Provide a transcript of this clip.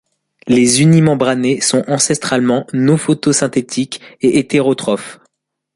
Les unimembranés sont ancestralement non-photosynthétiques et hétérotrophes.